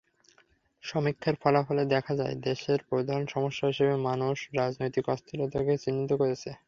সমীক্ষার ফলাফলে দেখা যায়, দেশের প্রধান সমস্যা হিসেবে মানুষ রাজনৈতিক অস্থিরতাকে চিহ্নিত করেছে।